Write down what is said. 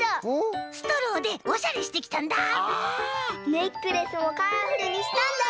ネックレスもカラフルにしたんだよ！